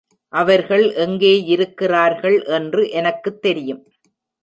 அவர்கள் எங்கேயிருக்கிறார்கள் என்று எனக்குத் தெரியும்.